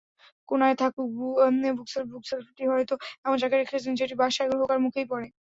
কোনায় থাকুক বুকশেলফবুকশেলফটি হয়তো এমন জায়গায় রেখেছেন, যেটি বাসায় ঢোকার মুখেই পড়ে।